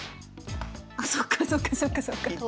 あそっかそっかそっかそっか。